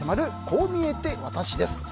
こう見えてワタシです。